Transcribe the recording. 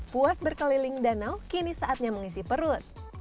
puas berkeliling danau kini saatnya mengisi perut